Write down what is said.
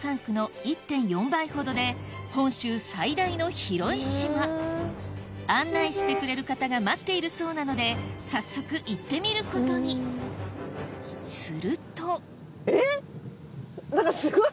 本州最大の広い島案内してくれる方が待っているそうなので早速行ってみることにするとえっ何かすごい！